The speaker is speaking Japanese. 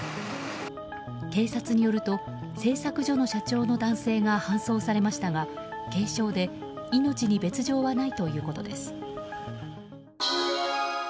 警察によると製作所の社長の男性が搬送されましたが軽傷で命に別条はないということです。